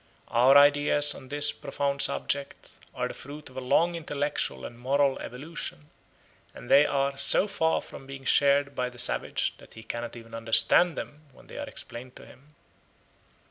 Our ideas on this profound subject are the fruit of a long intellectual and moral evolution, and they are so far from being shared by the savage that he cannot even understand them when they are explained to him.